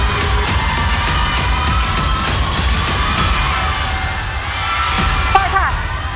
เดี๋ยวไหวจะต่อกัน